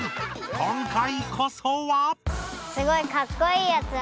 今回こそは。